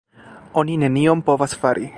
Oni nenion povas fari.